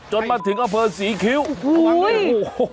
จนมาถึงอำเภอศรีคิ้วโอ้โห